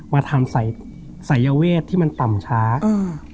มาทำสายสายเวทที่มันต่ำช้าอืม